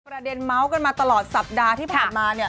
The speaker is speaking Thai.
เมาส์กันมาตลอดสัปดาห์ที่ผ่านมา